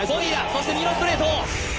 そして右のストレート！